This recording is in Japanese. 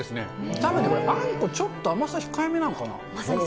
たぶんこれ、あんこ、これちょっと甘さ控えめなのかな。